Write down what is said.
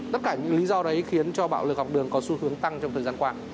tất cả những lý do đấy khiến cho bạo lực học đường có xu hướng tăng trong thời gian qua